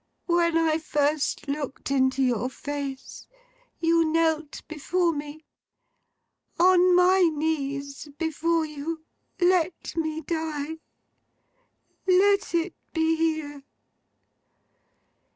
When I first looked into your face, you knelt before me. On my knees before you, let me die. Let it be here!